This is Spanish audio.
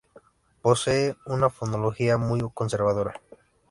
Posee una fonología muy conservadora.